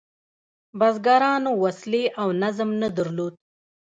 بزګرانو وسلې او نظم نه درلود.